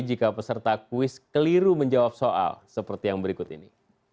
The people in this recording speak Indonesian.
jika peserta kuis keliru menjawab soal seperti yang berikut ini